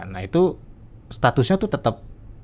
nah itu statusnya itu tetap